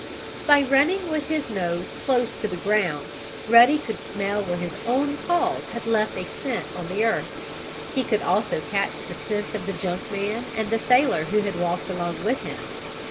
By running with his nose close to the ground Ruddy could smell where his own paws had left a scent on the earth. He could also catch the scent of the junk man and the sailor who had walked along with him.